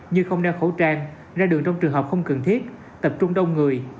như không đeo khẩu trang ra đường trong trường hợp không cần thiết tập trung đông người